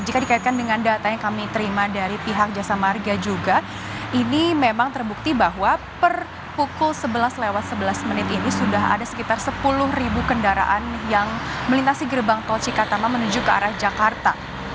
jika dikaitkan dengan data yang kami terima dari pihak jasa marga juga ini memang terbukti bahwa per pukul sebelas lewat sebelas menit ini sudah ada sekitar sepuluh ribu kendaraan yang melintasi gerbang tol cikatama menuju ke arah jakarta